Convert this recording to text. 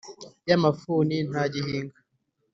ya mafuni ntagihinga